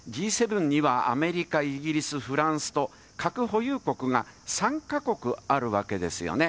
Ｇ７にはアメリカ、イギリス、フランスと、核保有国が３か国あるわけですよね。